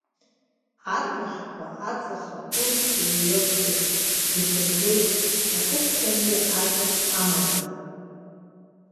Арбаӷьқәа аҵых агәы еиҩырхит, иԥытлеит аҵыхәтәантәи аҵых амаӡа.